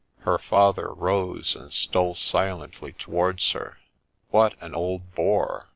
Her father rose, and stole silently towards her. ' What an old boar